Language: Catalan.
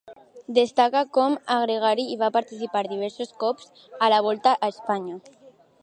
Destacà com a gregari i va participar diversos cops a la Volta a Espanya.